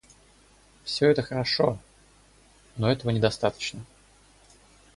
Все это хорошо, но этого недостаточно.